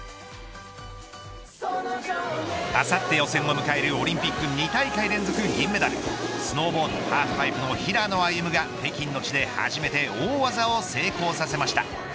あさって予選を迎えるオリンピック２大会連続銀メダルスノーボードハーフパイプの平野歩夢が北京の地で初めて大技を成功させました。